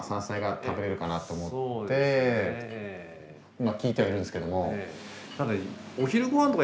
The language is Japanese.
まっ聞いてはいるんですけども。